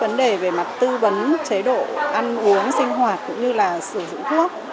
vấn đề về mặt tư vấn chế độ ăn uống sinh hoạt cũng như là sử dụng thuốc